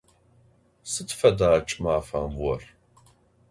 Sıd feda ç'ımafem vor?